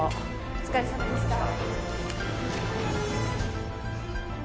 お疲れさまでした。